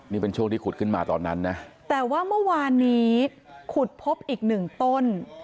นี่เป็นช่วงที่ขุดขึ้นมาตอนนั้นนะแต่ว่าเมื่อวานนี้ขุดพบอีกหนึ่งต้น